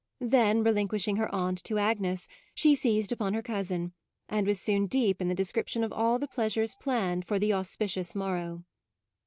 Then relinquishing her aunt to Agnes, she seized upon her cousin, and was soon deep in the description of all the pleasures planned for the auspicious morrow.